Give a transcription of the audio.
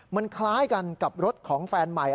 มันคล้ายกันกับรถของแฟนใหม่